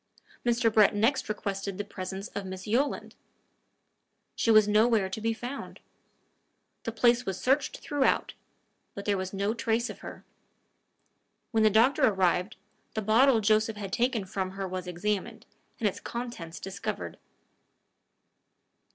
Mr. Brett next requested the presence of Miss Yolland. She was nowhere to be found. The place was searched throughout, but there was no trace of her. When the doctor arrived, the bottle Joseph had taken from her was examined, and its contents discovered.